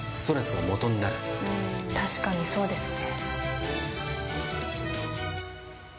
確かにそうですね。